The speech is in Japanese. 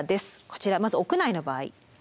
こちらまず屋内の場合。